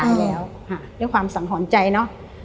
ด้วยความสังหริงใจเนอะ